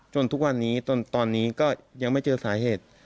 ทุกวันนี้ตอนนี้ก็ยังไม่เจอสาเหตุ